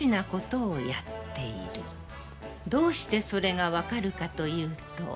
どうしてそれが判るかというと。